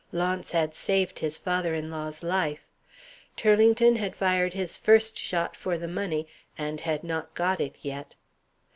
Launce had saved his father in law's life. Turlington had fired his first shot for the money, and had not got it yet.